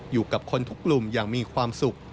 อยู่กับคนทุกกลุ่มอย่างมีความสุข